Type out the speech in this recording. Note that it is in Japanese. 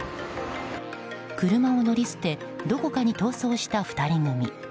車を乗り捨てどこかに逃走した２人組。